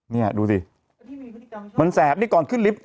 นี่ห้าดูดิมันแสบนี่กอลคิ้นริป